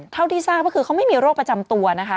เท่าที่ทราบก็คือเขาไม่มีโรคประจำตัวนะคะ